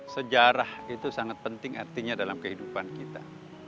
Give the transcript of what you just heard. sejarah itu sangat penting artinya dalam kehidupan kita